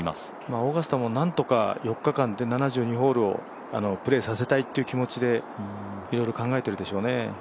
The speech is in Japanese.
オーガスタもなんとか４日間で７２ホールをプレーさせたいという気持ちでいろいろ考えてるでしょうね。